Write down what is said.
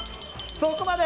そこまで！